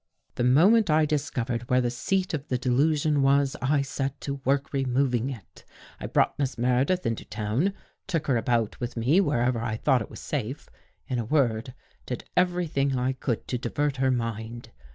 " The moment I discovered where the seat of the delusion was, I set to work removing it. I brought Miss Meredith into town, took her about with me wherever I thought It was safe ; In a word, did every thing I could to divert her mind.